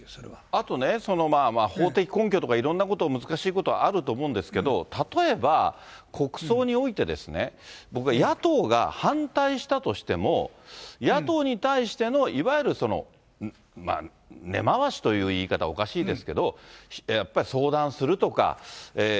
あとね、法的根拠とかいろいろ難しいことあると思うんですけど、例えば、国葬においてですね、僕は野党が反対したとしても、野党に対してのいわゆる根回しという言い方はおかしいですけれども、やっぱり相談するとか。